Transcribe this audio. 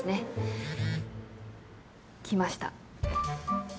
来ました。